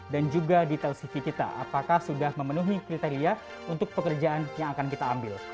dan juga detail cv kita apakah sudah memenuhi kriteria untuk pekerjaan yang akan kita ambil